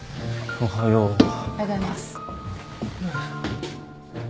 おはようございます。